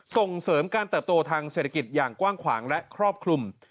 ส่งเสริมการเติบโตทางเศรษฐกิจอย่างกว้างขวางและครอบคลุม